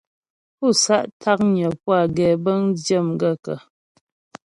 Pú sá'ntǎknyə́ pú a gɛbə̌ŋdyə́ m gaə̂kə́ ?